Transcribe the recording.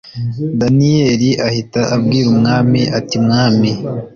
daniyeli ahita abwira umwami ati mwami